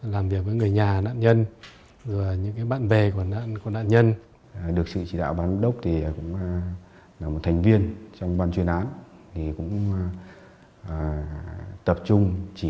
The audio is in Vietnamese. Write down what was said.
làm việc với người nhà nạn nhân